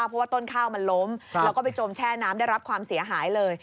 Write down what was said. เพราะว่าต้นข้าวมันล้มแล้วก็ไปจมแช่น้ำได้รับความเสียหายเลย